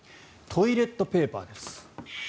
トイレットペーパーです。